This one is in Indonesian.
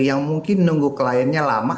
yang mungkin nunggu kliennya lama